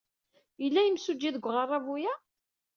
Yella yimsujji deg uɣerrabu-a?